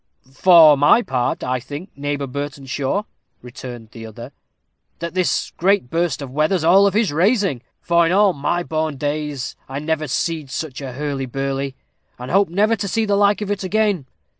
"For my part, I think, Neighbor Burtenshaw," returned the other, "that this great burst of weather's all of his raising, for in all my born days I never see'd such a hurly burly, and hope never to see the like of it again.